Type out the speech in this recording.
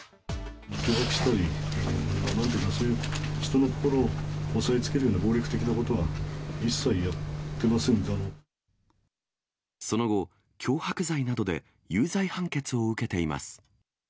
脅かしたり、なんというか、そういう人の心を押さえつけるような暴力的なことは一切やってまその後、脅迫罪などで有罪判決を受けています。